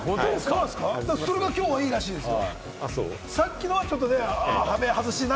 それがきょう、いいらしいですよ。